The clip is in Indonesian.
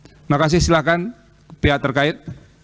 terima kasih silakan pihak terkait